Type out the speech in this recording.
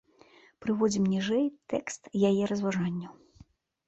Прыводзім ніжэй тэкст яе разважанняў.